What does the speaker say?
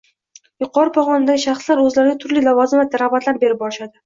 Yuqori pog‘onadagi shaxslar o‘zlariga turli lavozim va rag‘batlar berib borishadi